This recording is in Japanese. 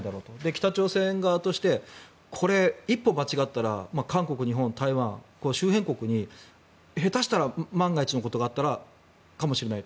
北朝鮮側としてこれ、一歩間違ったら韓国、日本、台湾周辺国に下手したら万が一のことがあったらかもしれない。